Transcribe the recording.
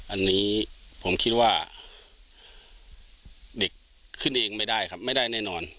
อันนี้ผมคิดว่าเด็กขึ้นเองไม่ได้ครับไม่ได้แน่นอน